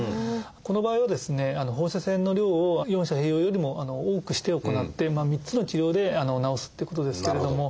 この場合はですね放射線の量を四者併用よりも多くして行って３つの治療で治すっていうことですけれども。